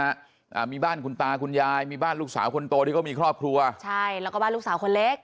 อ่ามีบ้านคุณตาคุณยายมีบ้านลูกสาวคนโตที่เขามีครอบครัวใช่แล้วก็บ้านลูกสาวคนเล็ก